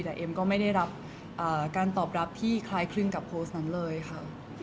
แต่เอ็มก็ไม่ได้รับการตอบรับที่คล้ายคลึงกับโพสต์นั้นเลยค่ะ